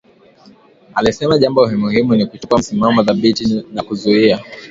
Alisema jambo muhimu ni kuchukua msimamo thabiti na kuzuia